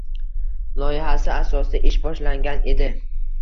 Loyihasi asosida ish boshlangan edi.